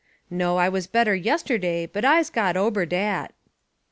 "No, I was better yesterday, but I'se got ober dat."